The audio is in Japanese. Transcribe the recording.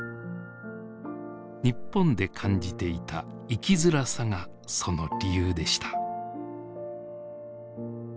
日本で感じていた生きづらさがその理由でした。